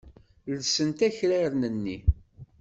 Llsent akraren-nni.